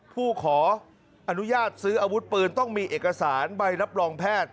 ผู้ขออนุญาตซื้ออาวุธปืนต้องมีเอกสารใบรับรองแพทย์